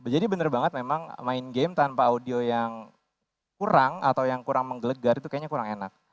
jadi bener banget memang main game tanpa audio yang kurang atau yang kurang menggelegar itu kayaknya kurang enak